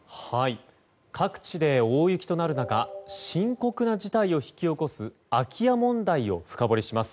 各地で大雪となる中深刻な事態を引き起こす空き家問題を深掘りします。